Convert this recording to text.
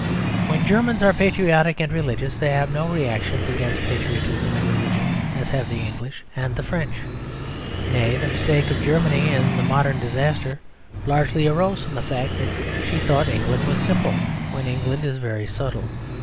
When Germans are patriotic and religious they have no reactions against patriotism and religion as have the English and the French. Nay, the mistake of Germany in the modern disaster largely arose from the facts that she thought England was simple when England is very subtle.